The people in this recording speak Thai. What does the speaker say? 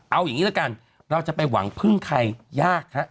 เอาอย่างนี้ละกันเราจะไปหวังพึ่งใครยากฮะ